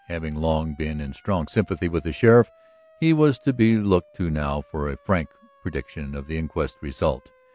Having long been in strong sympathy with the sheriff he was to be looked to now for a frank prediction of the inquest's result.